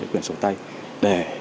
quyền sổ tay để